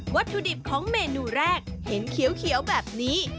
วัตถุดิบของเมนูแรกเห็นเขียวแบบนี้